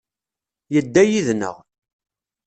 Yedda yid-neɣ.